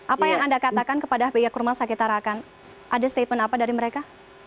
apa yang anda katakan kepada pihak rumah sakit tarakan ada statement apa dari mereka